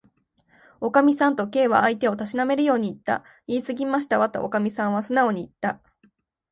「おかみさん」と、Ｋ は相手をたしなめるようにいった。「いいすぎましたわ」と、おかみはすなおにいった。